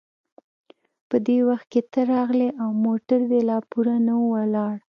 په دې وخت کې ته راغلې او موټر دې لا پوره نه و ولاړ.